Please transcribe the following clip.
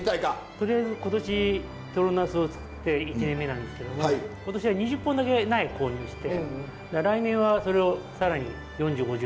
とりあえず今年とろナスを作って１年目なんですけども今年は２０本だけ苗購入して来年はそれを更に４０５０。